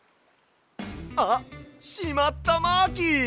あっしまったマーキー！